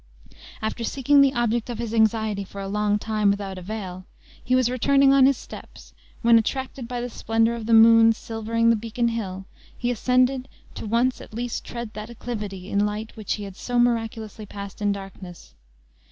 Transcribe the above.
After seeking the object of his anxiety for a long time, without avail, he was returning on his steps, when, attracted by the splendor of the moon silvering the beacon hill, he ascended, to once at least tread that acclivity in light which he had so miraculously passed in darkness.